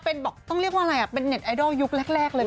เป็นบอกต้องเรียกว่าอะไรอ่ะเป็นเน็ตไอดอลยุคแรกเลย